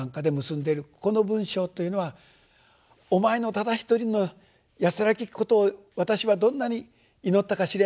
この文章というのは「お前のただ一人の安らけきことを私はどんなに祈ったかしれないよ」。